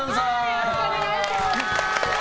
よろしくお願いします。